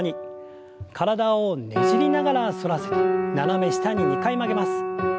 体をねじりながら反らせて斜め下に２回曲げます。